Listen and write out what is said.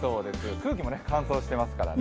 空気も乾燥してますからね。